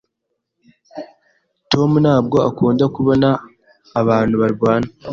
Tom ntabwo akunda kubona abantu barwana.